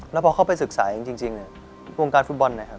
แล้วพอเข้าไปศึกษาจริงวงการฟุตบอล